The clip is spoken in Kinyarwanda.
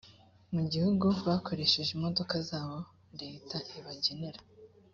mu gihugu bakoresheje imodoka zabo leta ibagenera